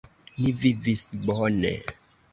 Ni vivis bone.